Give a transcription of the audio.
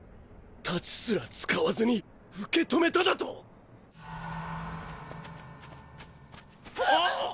太刀すら使わずに受け止めただとぉ！？